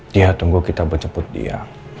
dia tunggu kita benceput dia